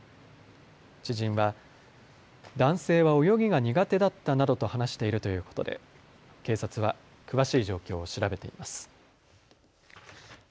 知人は男性は泳ぎが苦手だったなどと話しているということで警察は詳しい状況を調べています。